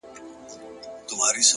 د زړه سکون له روښانه وجدان راټوکېږي!